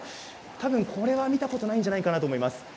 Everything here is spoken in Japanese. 多分こちらは見たことあるんじゃないかと思います。